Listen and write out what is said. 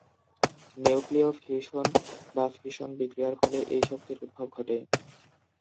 নিউক্লীয় ফিউশন বা ফিশন বিক্রিয়ার ফলে এই শক্তির উদ্ভব ঘটে।